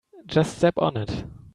Just step on it.